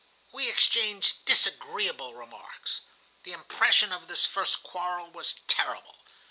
We exchanged disagreeable remarks. The impression of this first quarrel was terrible.